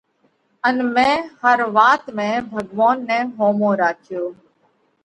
ان مئين هر وات ۾ ڀڳوونَ نئہ ۿومو راکيوھ۔